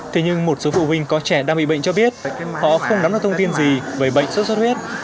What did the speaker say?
thế nhưng một số phụ huynh có trẻ đang bị bệnh cho biết họ không nắm được thông tin gì về bệnh xuất xuất huyết